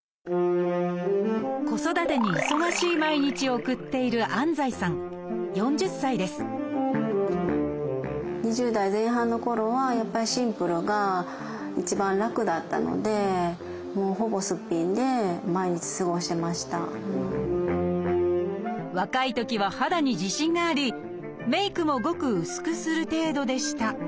子育てに忙しい毎日を送っているやっぱりシンプルが一番楽だったので若いときは肌に自信がありメークもごく薄くする程度でした。